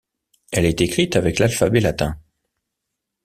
Elle est écrite avec l’alphabet latin.